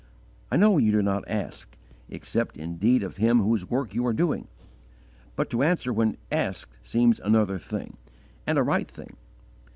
I know you do not ask, except indeed of Him whose work you are doing; but to answer when asked seems another thing, and a right thing.